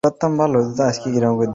সিম্বাকে খুব ভালোবাসে ও।